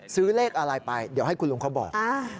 เลขอะไรไปเดี๋ยวให้คุณลุงเขาบอก